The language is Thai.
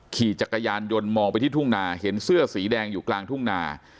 ขี่จักรยานยนต์มองไปที่ทุ่งนาเห็นเสื้อสีแดงอยู่กลางทุ่งนา